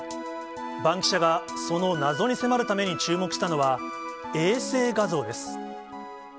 バンキシャがその謎に迫るために注目したのは、衛星画像です。